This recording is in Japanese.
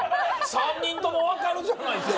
３人とも分かるじゃないですか